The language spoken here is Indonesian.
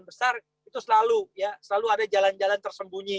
besar itu selalu ada jalan jalan tersembunyi